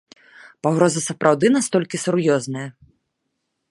Пагроза сапраўды настолькі сур'ёзная?